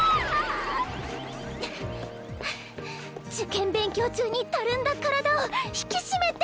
受験勉強中にたるんだ体を引き締めて！